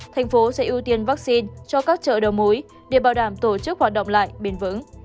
thành phố sẽ ưu tiên vaccine cho các chợ đầu mối để bảo đảm tổ chức hoạt động lại bền vững